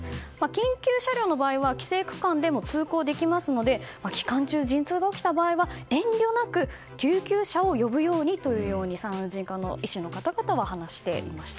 緊急車両の場合は規制区間でも通行できますので期間中、陣痛が起きた場合は遠慮なく救急車を呼ぶようにと産婦人科の医師の方々は話していました。